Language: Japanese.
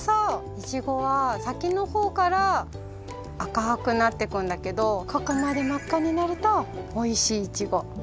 イチゴはさきのほうから赤くなってくんだけどここまでまっかになるとおいしいイチゴ！